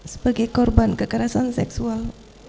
sebagai korban kekerasan seksual